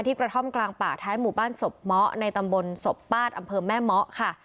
กระท่อมกลางป่าท้ายหมู่บ้านศพเมาะในตำบลศพปาดอำเภอแม่เมาะค่ะ